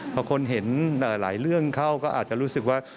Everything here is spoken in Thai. พอคนเห็นหลายเรื่องเข้าก็อาจจะรู้สึกว่า